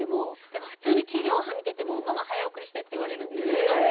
なんか普通に地上波見てても「ママ早送りして」って言われるんですけど。